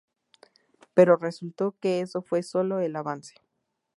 Pero resultó que eso fue sólo el avance".